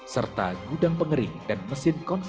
serta gudang pengering dan mesin konser